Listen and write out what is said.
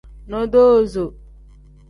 Nodoozo.